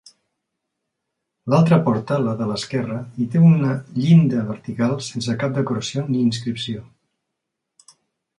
L'altra porta, la de l'esquerra hi té una llinda vertical sense cap decoració ni inscripció.